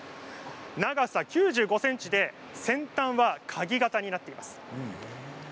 長さ９５ｃｍで先端は、かぎ型になっています。